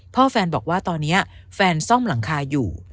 แฟนบอกว่าตอนนี้แฟนซ่อมหลังคาอยู่